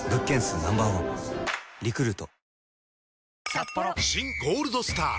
更に「新ゴールドスター」！